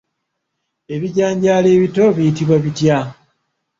Ebijanjaalo ebito biyitibwa bitya?